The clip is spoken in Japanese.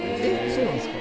そうなんですか？